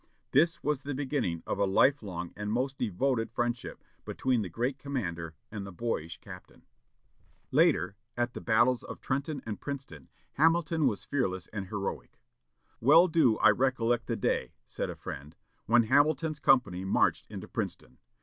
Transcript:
This was the beginning of a life long and most devoted friendship between the great commander and the boyish captain. Later, at the battles of Trenton and Princeton, Hamilton was fearless and heroic. "Well do I recollect the day," said a friend, "when Hamilton's company marched into Princeton.